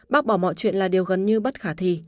bác bỏ mọi chuyện là điều gần như bất khả thi